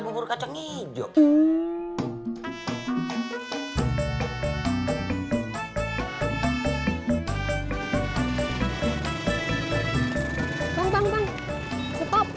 bubur kacang hijau ya udah ntar gue beli sendiri widi beli nggak lupa udah ada bubur kacang hijau